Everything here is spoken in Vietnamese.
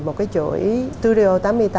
một cái chuỗi studio tám mươi tám